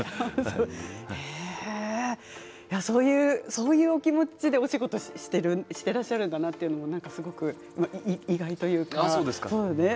そういうお気持ちでお仕事していらっしゃるんだなというのが意外というか。